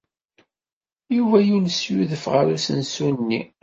Yuba yules yudef ɣer usensu-nni.